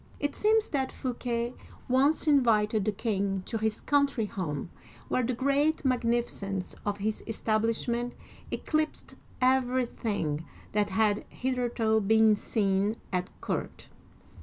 It seems that Fouquet once invited the king to his coun try home, where the great magnificence of his establish ment eclipsed everything that had hitherto been seen at court.